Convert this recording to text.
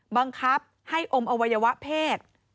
บังคับให้อมอวัยวะเพศ